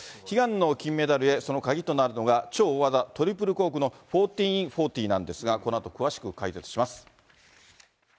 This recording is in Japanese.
悲願の金メダルへ、その鍵となるのが超大技、トリプルコークの１４４０なんですが、このあと詳しく解説します。